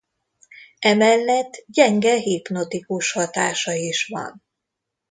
Emellett gyenge hipnotikus hatása is van.